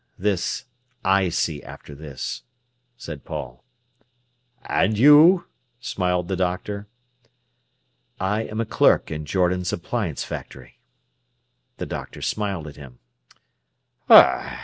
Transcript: "This—I see after this," said Paul. "And you?" smiled the doctor. "I am a clerk in Jordan's Appliance Factory." The doctor smiled at him.